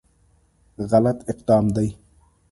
غلط اقدام دی.